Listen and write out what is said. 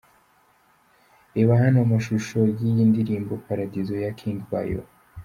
Reba hano amashusho y'iyi ndirimbo 'Paradizo' ya King Bayo .